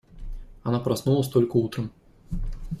Она проснулась только утром.